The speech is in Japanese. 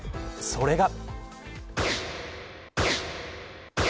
それが。